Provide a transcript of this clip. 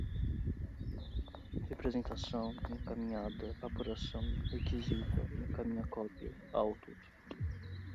representação, encaminhada, apuração, requisita, encaminha cópia, autos